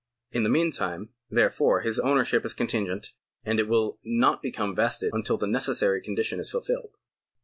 In the meantime, therefore, his ownership is contingent, and it will not become vested until the necessary condition is fulfilled.